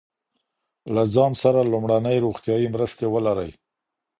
له ځان سره لومړنۍ روغتیایی مرستې ولرئ.